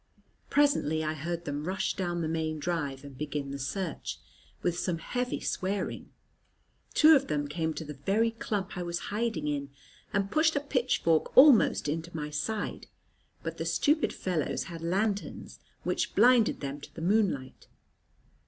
Presently I heard them rush down the main drive and begin the search, with some heavy swearing. Two of them came to the very clump I was hiding in, and pushed a pitchfork almost into my side, but the stupid fellows had lanterns, which blinded them to the moonlight.